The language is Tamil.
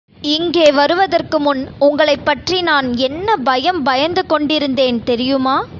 இங்கே வருவதற்குமுன் உங்களைப் பற்றி நான் என்ன பயம் பயந்து கொண்டிருந்தேன் தெரியுமா?